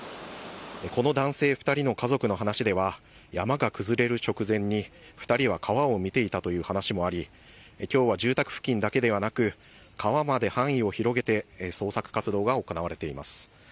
この男性２人の家族の話では、山が崩れる直前に２人は川を見ていたという話もあり、きょうは住宅付近だけではなく、川まで範囲を広げて捜索活動が行われています。